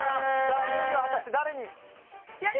２位は果たして誰に。